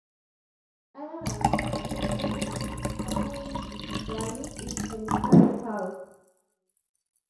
Other than speaking only in spoonerisms, Runny is a normal child.